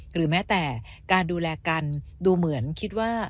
หรือแม้แต่การดูแลกันดูเหมือนคิดว่า